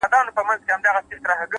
هره تجربه د ژوند نوی رنګ لري,